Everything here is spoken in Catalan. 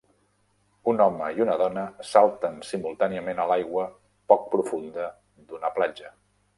Un home i una dona salten simultàniament a l'aigua poc profunda d'una platja.